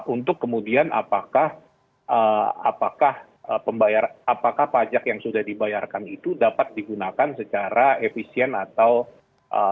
untuk kemudian apakah pajak yang sudah dibayarkan itu dapat digunakan secara efisien